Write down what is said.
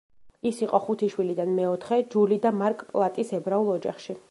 ის იყო ხუთი შვილიდან მეოთხე ჯული და მარკ პლატის ებრაულ ოჯახში.